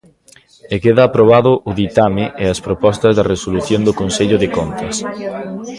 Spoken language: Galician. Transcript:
E queda aprobado o ditame e as propostas de resolución do Consello de Contas.